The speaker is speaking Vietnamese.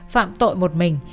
phạm tội một mình